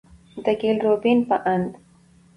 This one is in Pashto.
د ګيل روبين په اند،